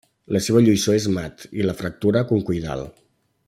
La seva lluïssor és mat i la fractura concoidal.